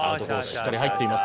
しっかり入っています。